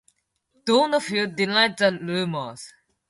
Donohue denied the rumors.